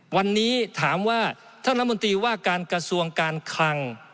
วันนี้ถามว่าท่านรัฐมนตรีว่าการกระทรวงการคลัง